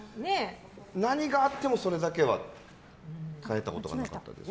何があってもそれだけは絶えたことはなかったです。